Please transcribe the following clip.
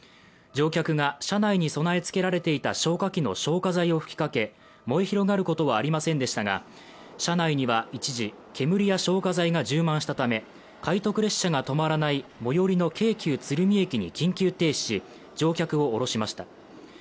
乗客が、車内に備えつけられていた消火器の消火剤を吹きかけ燃え広がることはありませんでしたが、車内には一時、煙や消化剤が充満したため快特列車が止まらない最寄りの京急鶴見駅に緊急停止し乗客を降ろしました。